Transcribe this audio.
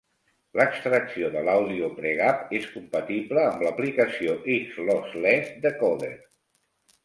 L'extracció de l'àudio pregap és compatible amb l'aplicació X Lossless Decoder.